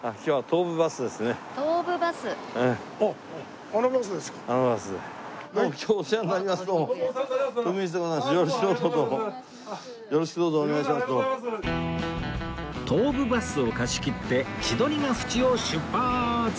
東武バスを貸し切って千鳥ヶ淵を出発！